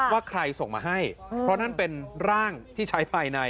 ว่าใครส่งมาให้เพราะนั่นเป็นร่างที่ใช้ภายใน